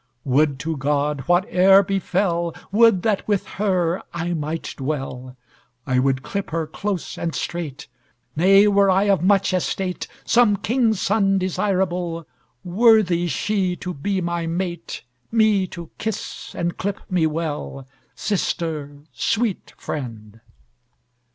Would to God, whate'er befell, Would that with her I might dwell. I would clip her close and strait; Nay, were I of much estate, Some king's son desirable, Worthy she to be my mate, Me to kiss and clip me well, Sister, sweet friend!"